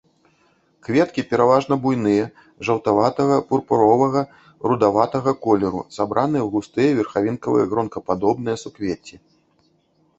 Кветкі пераважна буйныя, жаўтаватага, пурпуровага, рудаватага колеру, сабраныя ў густыя верхавінкавыя гронкападобныя суквецці.